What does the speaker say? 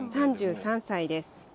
３３歳です。